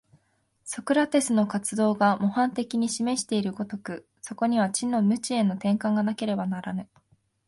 ソクラテスの活動が模範的に示している如く、そこには知の無知への転換がなければならぬ。